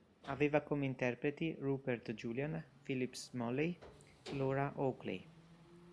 Aveva come interpreti Rupert Julian, Phillips Smalley, Laura Oakley.